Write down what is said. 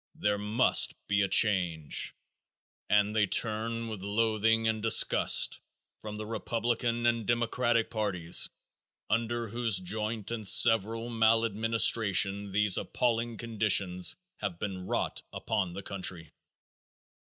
THERE MUST BE A CHANGE! And they turn with loathing and disgust from the Republican and Democratic parties under whose joint and several maladministration these appalling conditions have been brought upon the country.